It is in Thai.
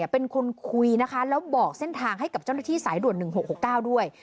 เป็นคนคุยนะคะแล้วบอกเส้นทางให้กับเจ้าหน้าที่สายด่วน๑๖๖๙ด้วย